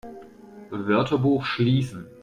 Wörterbuch schließen!